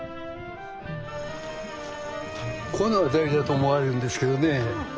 この辺りだと思われるんですけどね